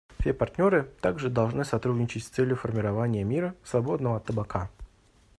Все партнеры также должны сотрудничать с целью формирования мира, свободного от табака.